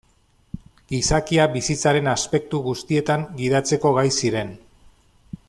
Gizakia bizitzaren aspektu guztietan gidatzeko gai ziren.